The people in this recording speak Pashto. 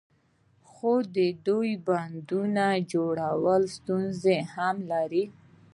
خو د بندونو جوړول ستونزې هم لري.